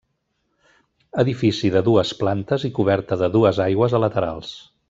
Edifici de dues plantes i coberta de dues aigües a laterals.